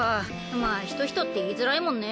まあ仁人って言いづらいもんね